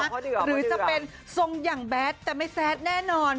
หรือจะเป็นทรงอย่างแบทแต่ไม่แซดแน่นอน